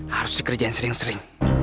harus dikerjain sering sering